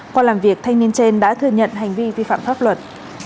qua làm việc thanh niên trên đã thừa nhận hành vi vi phạm pháp luật